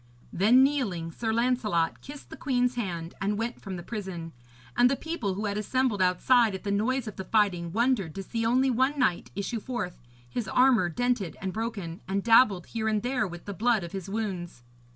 Then, kneeling, Sir Lancelot kissed the queen's hand, and went from the prison; and the people who had assembled outside at the noise of the fighting wondered to see only one knight issue forth, his armour dented and broken, and dabbled here and there with the blood of his wounds.